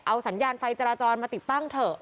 เอาสัญญาณไฟจราจรมาติดตั้งเถอะ